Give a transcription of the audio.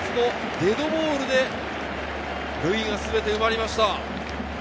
デッドボールで塁が全て埋まりました。